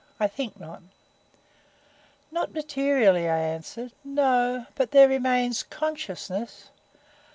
I think not." "Not materially," I answered. "No. But there remains consciousness!"